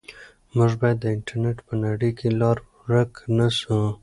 موږ باید د انټرنیټ په نړۍ کې لار ورک نه سو.